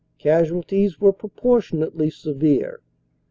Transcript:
Casualties were proportionately severe.